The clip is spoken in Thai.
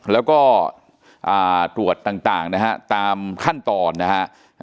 แล้วก็ตรวจต่างนะฮะตามขั้นตอนนะฮะ